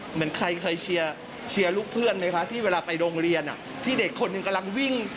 เหมือนใครเคยเชียร์ลูกเพื่อนไหมคะที่เวลาไปโรงเรียนที่เด็กคนหนึ่งกำลังวิ่ง